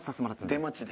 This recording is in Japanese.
出待ちで？